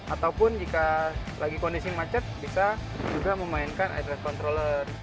ataupun jika lagi kondisi macet bisa juga memainkan air red controller